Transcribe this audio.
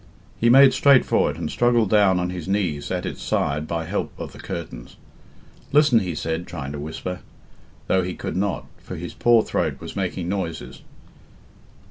He made straight for it, and struggled down on his knees at its side by help of the curtains. 'Listen,' he said, trying to whisper, though he could not, for his poor throat was making noises.